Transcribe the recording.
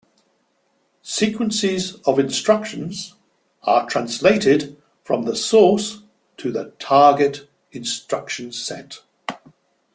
Sequences of instructions are translated from the "source" to the "target" instruction set.